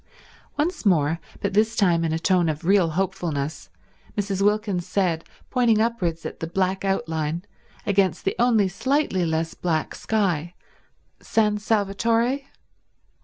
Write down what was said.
Once more, but this time in a tone of real hopefulness, Mrs. Wilkins said, pointing upwards at the black outline against the only slightly less black sky, "San Salvatore?"